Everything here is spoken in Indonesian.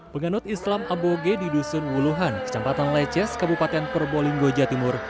penganut islam aboge di dusun wuluhan kecamatan leces kabupaten probolinggo jawa timur